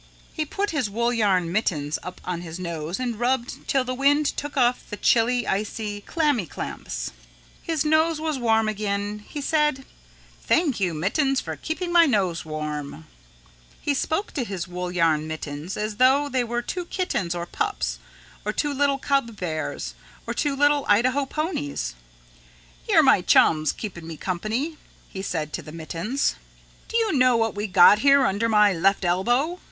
He put his wool yarn mittens up on his nose and rubbed till the wind took off the chilly, icy, clammy clamps. His nose was warm again; he said, "Thank you, mittens, for keeping my nose warm." [Illustration: It seemed to him as though the sky came down close to his nose] He spoke to his wool yarn mittens as though they were two kittens or pups, or two little cub bears, or two little Idaho ponies. "You're my chums keeping me company," he said to the mittens. "Do you know what we got here under our left elbow?"